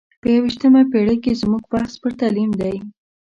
په یو ویشتمه پېړۍ کې زموږ بحث پر تعلیم دی.